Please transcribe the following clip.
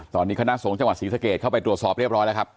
ตอนนี้คณะสงฆ์จังหวัดศรีสะเกดเข้าไปตรวจสอบเรียบร้อยแล้วครับ